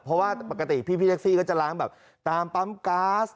เพราะว่าปกติพี่แท็กซี่ก็จะล้างแบบตามปั๊มก๊าซ